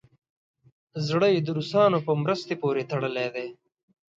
زړه یې د روسانو په مرستو پورې تړلی دی.